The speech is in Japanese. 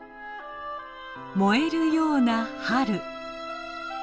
もえるような春。